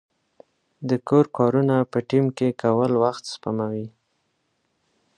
د کور کارونه په ټیم کې کول وخت سپموي.